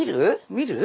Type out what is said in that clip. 見る？